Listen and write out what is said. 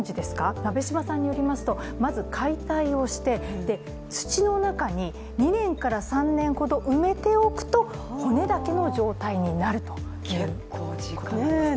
鍋島さんによりますと、まず解体をして土の中に２３年ほど埋めておくと骨だけの状態になるという。